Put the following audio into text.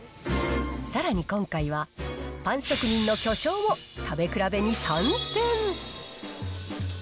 さらに今回は、パン職人の巨匠も食べ比べに参戦。